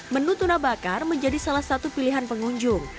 menu tuna bakar menjadi salah satu pilihan pengunjung